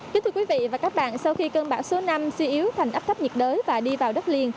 kính thưa quý vị và các bạn sau khi cơn bão số năm suy yếu thành áp thấp nhiệt đới và đi vào đất liền